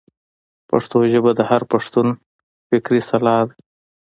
پښتو ژبه د هر پښتون فکري سلاح ده.